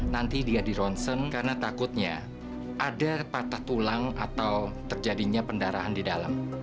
nanti dia dironsen karena takutnya ada patah tulang atau terjadinya pendarahan di dalam